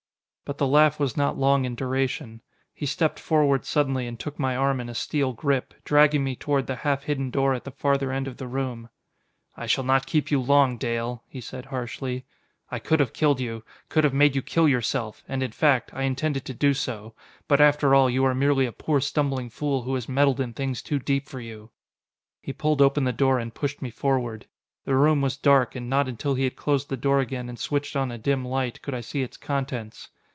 But the laugh was not long in duration. He stepped forward suddenly and took my arm in a steel grip, dragging me toward the half hidden door at the farther end of the room. "I shall not keep you long, Dale," he said harshly. "I could have killed you could have made you kill yourself, and in fact, I intended to do so but after all, you are merely a poor stumbling fool who has meddled in things too deep for you." He pulled open the door and pushed me forward. The room was dark, and not until he had closed the door again and switched on a dim light, could I see its contents.